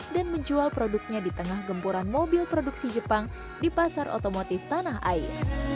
dan menjual produknya di tengah gempuran mobil produksi jepang di pasar otomotif tanah air